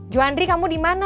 juandri kamu dimana